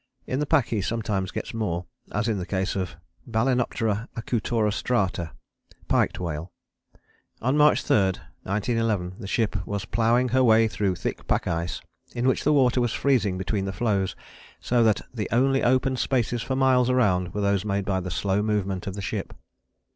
In the pack he sometimes gets more, as in the case of Balaenoptera acutorostrata (Piked whale) on March 3, 1911. The ship "was ploughing her way through thick pack ice, in which the water was freezing between the floes, so that the only open spaces for miles around were those made by the slow movement of the ship.